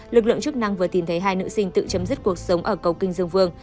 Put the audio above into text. lực lượng chức năng vừa tìm thấy hai nữ sinh tự chấm dứt cuộc sống ở cầu kinh dương vương